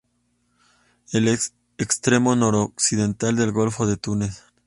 Es el extremo noroccidental del golfo de Túnez.